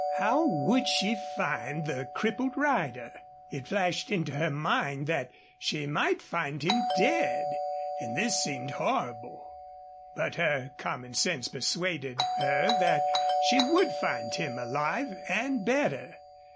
How would she find the crippled rider? It flashed into her mind that she might find him dead, and this seemed horrible. But her common sense persuaded her that she would find him alive and better.